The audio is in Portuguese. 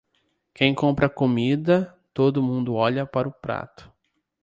Quem compra a comida, todo mundo olha para o prato.